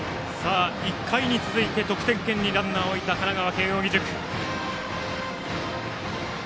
１回に続いて得点圏にランナーを置いた神奈川・慶応義塾。